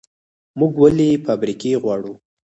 موږ ولې فابریکې غواړو؟